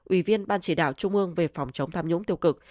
ủy viên ban chỉ đạo trung ương về phòng chống tham nhũng tiêu cực